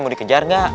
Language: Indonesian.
mau dikejar nggak